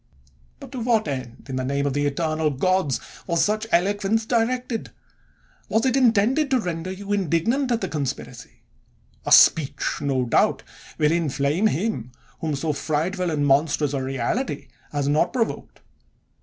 But to what end, in the name of the eternal gods ! was such eloquence directed? Was it intended to render you indignant at the conspiracy? A speech, no doubt, will inflame him whom so frightful and monstrous a reality has not provoked